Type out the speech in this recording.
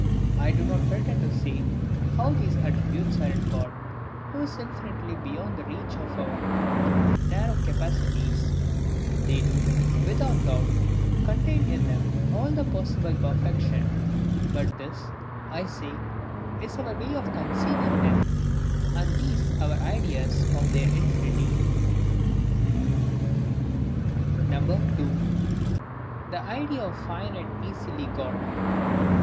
I do not pretend to say how these attributes are in God, who is infinitely beyond the reach of our narrow capacities: they do, without doubt, contain in them all possible perfection: but this, I say, is our way of conceiving them, and these our ideas of their infinity. 2. The Idea of Finite easily got.